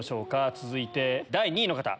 続いて第２位の方。